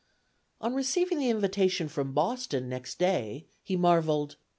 On receiving the invitation from Boston next day, he marveled.